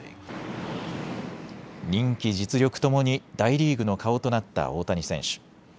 人気、実力ともに大リーグの顔となった大谷選手。